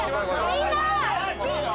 みんな！